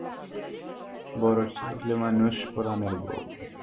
বড় ছেলেমানুষ পরানের বৌ।